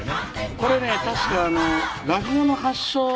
これね確か落語の発祥の。